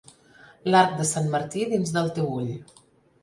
L'arc de sant Martí dins del teu ull.